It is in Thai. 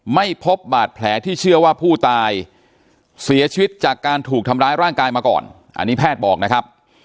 ไม่พบบาดแผลที่เชื่อว่าผู้ตายเสียชีวิตจากการถูกทำร้ายร่างกายมาก่อนอันนี้แพทย์บอกนะครับ